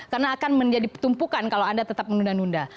karena akan menjadi petumpukan kalau anda tetap menunda nunda